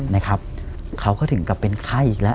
นะครับเขาก็ถึงกลับเป็นไข้อีกแล้ว